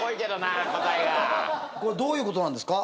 これどういうことなんですか？